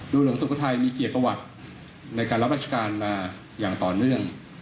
หลวงสุโขทัยมีเกียรติประวัติในการรับราชการมาอย่างต่อเนื่อง